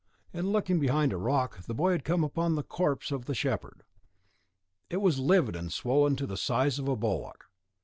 In looking behind a rock, the boy had come upon the corpse of the shepherd; it was livid and swollen to the size of a bullock.